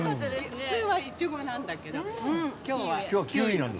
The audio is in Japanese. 普通はイチゴなんだけど今日はキウイで。